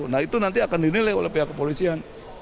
nah itu nanti akan dinilai oleh pihak kepolisian